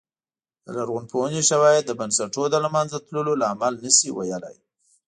د لرغونپوهنې شواهد د بنسټونو له منځه تلو لامل نه شي ویلای